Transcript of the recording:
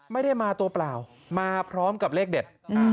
ไม่ได้มาตัวเปล่ามาพร้อมกับเลขเด็ด